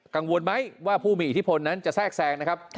กังวลไหมว่าผู้มีอิทธิพลนั้นจะแทรกแทรงนะครับ